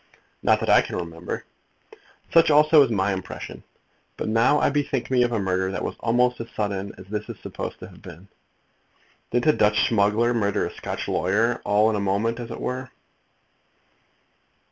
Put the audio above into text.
"Not that I can remember." "Such also is my impression. But now, I bethink me of a murder that was almost as sudden as this is supposed to have been. Didn't a Dutch smuggler murder a Scotch lawyer, all in a moment as it were?"